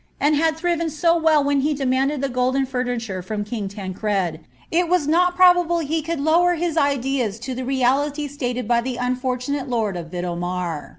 aw) had thriven so well when he demanded the golden furniture bom king Tancred, it was not probable he could lower his ideas to the reality Slated by the unroriunale lord of Vidomar.